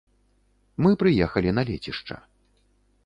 Мы прыехалі на лецішча.